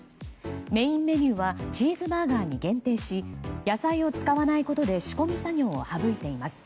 メインメニューはチーズバーガーに限定し野菜を使わないことで仕込み作業を省いています。